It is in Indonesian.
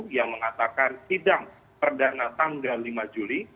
yang mengatakan sidang perdana tanggal lima juli